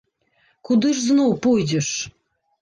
Куды ж зноў пойдзеш?